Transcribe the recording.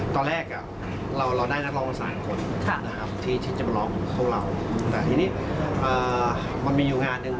ตอนแรกเราได้นักร้องอาหารคนที่จะบรมกับเราแต่ทีนี้มันจะอยู่งานนึง